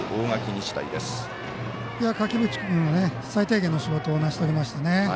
垣淵君、最低限の仕事を成し遂げましたね。